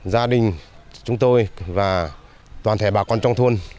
gia đình chúng tôi và toàn thể bà con trong thôn